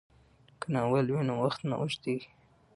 که ناول وي نو وخت نه اوږدیږي.